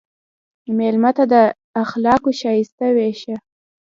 مېلمه ته د اخلاقو ښایست وښیه.